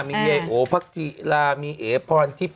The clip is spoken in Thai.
มียายโอพักจิลามีเอพรทิพย